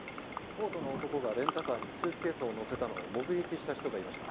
コートの男がレンタカーにスーツケースを載せたのを目撃した人がいました。